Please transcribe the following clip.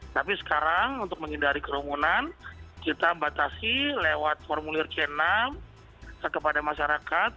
tapi sekarang untuk menghindari kerumunan kita batasi lewat formulir c enam kepada masyarakat